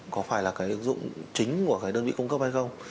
có phải là cái ứng dụng chính của cái đơn vị cung cấp hay không